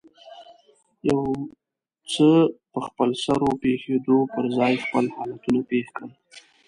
د يو څه په خپلسر پېښېدو پر ځای خپل حالتونه پېښ کړي.